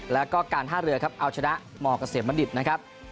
แล้วก็การท่าเรือครับเอาชนะมเกษมบัณฑิตนะครับ